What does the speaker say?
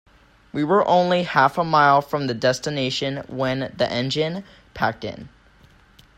We were only half a mile from the destination when the engine packed in.